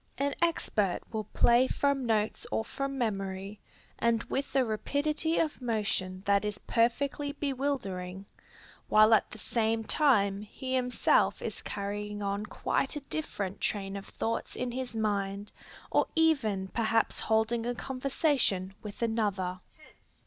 An expert will play from notes or from memory, and with a rapidity of motion that is perfectly bewildering, while at the same time he himself is carrying on quite a different train of thoughts in his mind, or even perhaps holding a conversation with another.